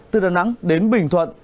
từ đà nẵng đến bình thuận